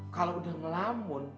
kalau udah ngelamun